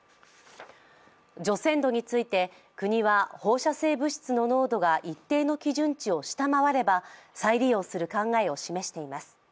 除染土について国は放射性物質の濃度が一定の基準値を下回れば再利用する考えを示しています。